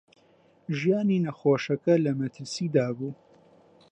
ژیانی نەخۆشەکە لە مەترسیدا بوو.